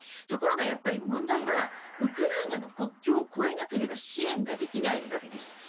ところが問題はウクライナの国境を越えなければ支援ができないわけです。